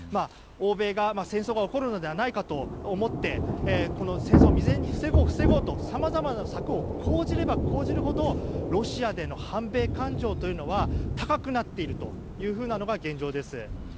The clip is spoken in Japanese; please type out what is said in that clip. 欧米が、戦争が起こるのではないかと思って戦争を未然に防ごうとさまざまな策を講じれば講じるほどロシアでの反米感情というのは高くなっているというふうなのが現状です。